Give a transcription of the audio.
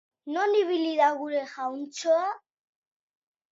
Non ibili da gure jauntxoa?